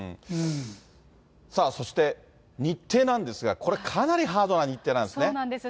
さあ、そして日程なんですが、これかなりハードな日程なんですね。